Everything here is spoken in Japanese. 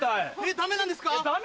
ダメなんですか？